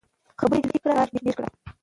خبرې لږې کړئ کار ډېر کړئ.